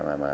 mà mà mà